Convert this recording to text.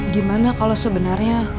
gimana kalau sebenarnya